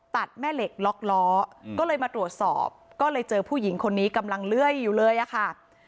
แม่เหล็กล็อกล้อก็เลยมาตรวจสอบก็เลยเจอผู้หญิงคนนี้กำลังเลื่อยอยู่เลยอะค่ะ